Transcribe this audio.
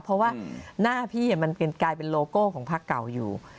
เพราะว่าหน้าพี่มันกลายเป็นโลโก้ของพักเก่าอยู่